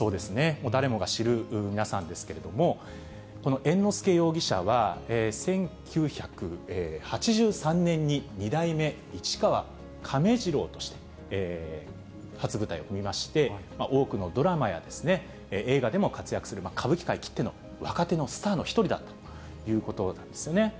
もう誰もが知る皆さんですけれども、この猿之助容疑者は、１９８３年に二代目市川亀治郎として初舞台を踏みまして、多くのドラマや映画でも活躍する、歌舞伎界きっての若手のスターの一人だったということなんですね。